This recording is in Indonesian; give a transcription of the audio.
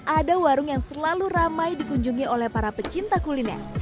ada warung yang selalu ramai dikunjungi oleh para pecinta kuliner